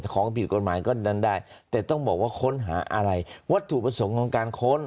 ของผิดกฎหมายก็นั้นได้แต่ต้องบอกว่าค้นหาอะไรวัตถุประสงค์ของการค้น